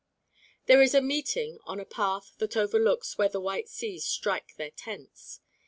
There is a meeting on a path that overlooks where the white seas strike their tents.